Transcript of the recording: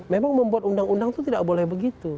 memang membuat undang undang itu tidak boleh begitu